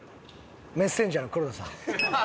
メッセンジャーの黒田さん。